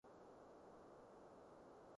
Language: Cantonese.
白雲蒼狗